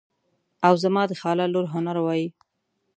او زما د خاله لور هنر وایي.